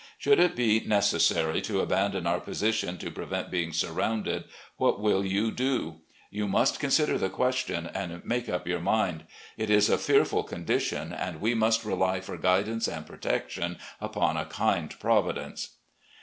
Should it be necessary to abandon our position to prevent being surrounded, what will you do ? You must consider the question, and make up your mind. It is a fearful condition, and we must rely for guidance and pro tection upon a kind Providence.